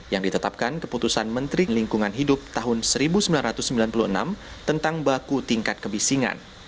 yang ditetapkan keputusan menteri lingkungan hidup tahun seribu sembilan ratus sembilan puluh enam tentang baku tingkat kebisingan